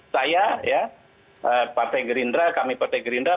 saya ya partai gerindra kami partai gerindra